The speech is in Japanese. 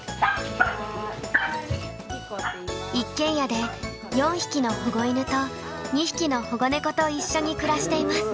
一軒家で４匹の保護犬と２匹の保護猫と一緒に暮らしています。